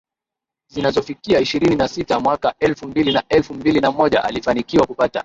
zinazofikia ishirini na sita Mwaka elfu mbili na elfu mbili na moja alifanikiwa kupata